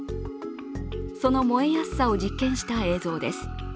その燃えやすさを実験した映像です。